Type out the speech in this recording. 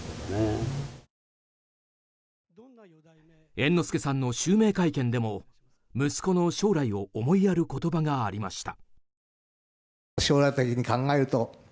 猿之助さんの襲名会見でも息子の将来を思いやる言葉がありました。